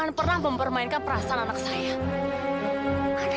tante akan buat perhitungan sama kamu fadil